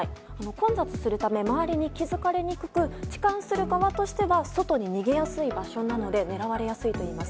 混雑するため周りに気づかれにくく痴漢する側としては外に逃げやすい場所なので狙われやすいといいます。